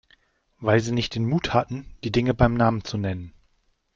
Weil Sie nicht den Mut hatten, die Dinge beim Namen zu nennen.